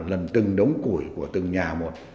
lần từng đống củi của từng nhà một